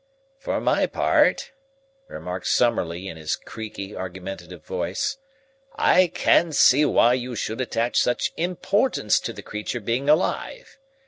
"For my part," remarked Summerlee in his creaky, argumentative voice, "I can't see why you should attach such importance to the creature being alive.